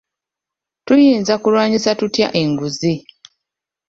Tuyinza kulwanyisa tutya enguzi?